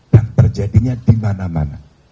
dan terjadinya di mana mana